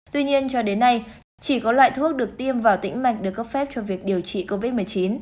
tuy nhiên cho đến nay chỉ có loại thuốc được tiêm vào tĩnh mạch được cấp phép cho việc điều trị covid một mươi chín